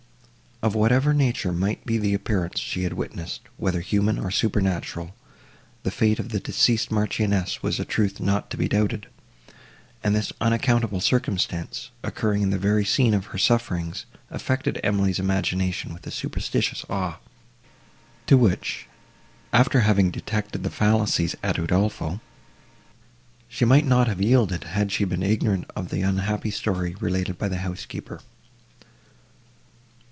Of whatever nature might be the appearance she had witnessed, whether human or supernatural, the fate of the deceased Marchioness was a truth not to be doubted; and this unaccountable circumstance, occurring in the very scene of her sufferings, affected Emily's imagination with a superstitious awe, to which, after having detected the fallacies at Udolpho, she might not have yielded, had she been ignorant of the unhappy story, related by the housekeeper.